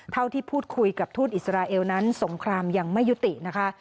เท่าที่พูดคุยกับทูตอิสราเอลนั้นสงครามยังไม่ยุตินะคะ